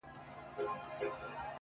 • كښېنستلى كرار نه يم له چالونو ,